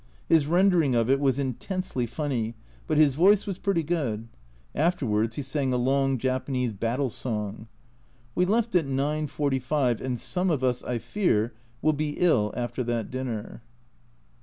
His rendering of it was intensely funny, but his voice was pretty good. Afterwards he sang a long Japanese battle song. We left at 9.45, and some of us, I fear, will be ill after that dinner.